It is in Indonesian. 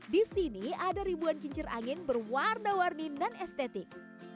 di sini ada ribuan kincir angin berwarna warni non estetik